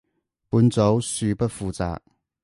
本組恕不負責